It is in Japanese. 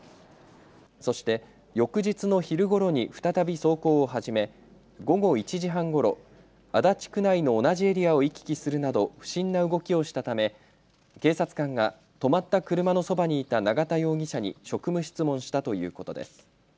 そして翌日の昼ごろに再び走行を始め午後１時半ごろ、足立区内の同じエリアを行き来するなど不審な動きをしたため警察官が止まった車のそばにいた永田容疑者に職務質問したということです。